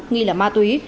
nghĩ là ma túy